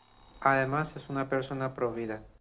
Además es una persona pro-vida.